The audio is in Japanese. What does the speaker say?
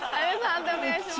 判定お願いします。